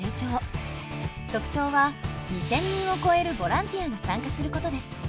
特徴は２，０００人を超えるボランティアが参加することです。